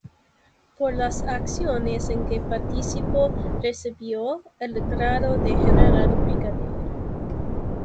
Por las acciones en que participó recibió el grado de general brigadier.